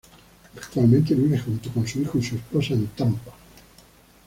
Actualmente vive junto con su hijo y su esposa en Tampa.